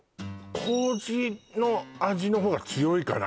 麹の味の方が強いかな